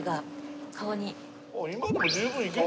今でも十分いける。